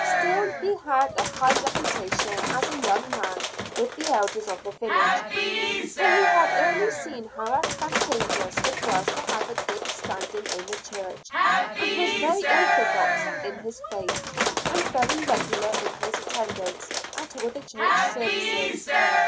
Still he had a high reputation as a young man with the elders of the village; for he had early seen how advantageous it was to have a good standing in the church, and was very orthodox in his faith, and very regular in his attendance at all the church services.